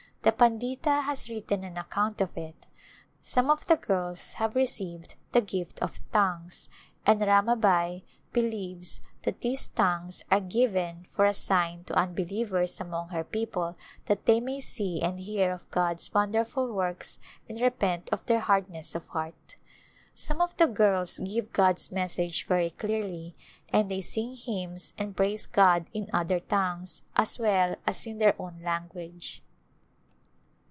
The Pandita has written an account of it. Some of the girls have received " the gift of tongues " and Rama bai believes that these " tongues " are given for a sign to unbelievers among her people that they may see and hear of God's wonderful works and repent of their hardness of heart. Some of the girls give God's message very clearly and they sing hymns and praise God in " other tongues" as well as in their own language.